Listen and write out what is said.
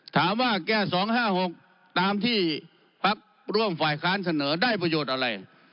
ถามว่าแก้๒๕๖ตามที่พักร่วมฝ่ายค้านเสนอได้ประโยชน์อะไร